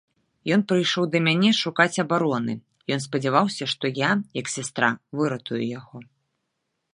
Ён прыйшоў да мяне шукаць абароны, ён спадзяваўся, што я, як сястра, выратую яго.